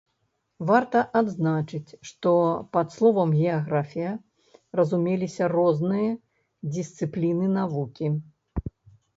Варта адзначыць, што пад словам геаграфія разумеліся розныя дысцыпліны навукі.